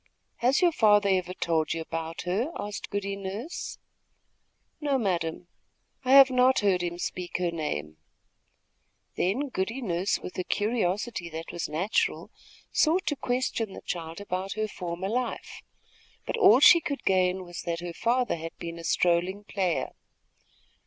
"Has your father ever told you about her?" asked Goody Nurse. "No, madame; I have not heard him speak her name." Then Goody Nurse, with a curiosity that was natural, sought to question the child about her former life; but all she could gain was that her father had been a strolling player.